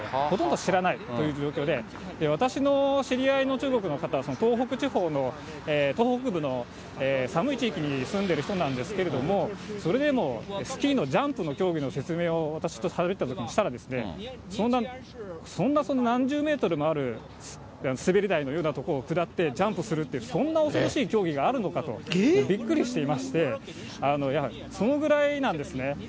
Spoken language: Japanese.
ほとんど知らないという状況で、私の知り合いの中国の方は、東北地方の、東北部の寒い地域に住んでいる人なんですけれども、それでもスキーのジャンプの競技の説明を私としゃべってるときにしたら、そんな何十メートルもある滑り台のような所を下ってジャンプするって、そんな恐ろしい競技があるのかと、びっくりしていまして、そのぐらいなんですね。